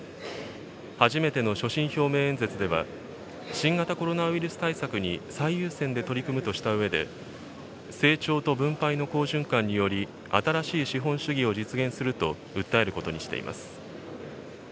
初めての所信表明演説では、新型コロナウイルス対策に最優先で取り組むとしたうえで、成長と分配の好循環により、新しい資本主義を実現すると訴えることにしています。